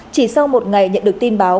chỉ sau một ngày nhận được tin báo